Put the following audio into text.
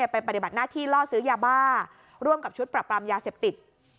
ปฏิบัติหน้าที่ล่อซื้อยาบ้าร่วมกับชุดปรับปรามยาเสพติด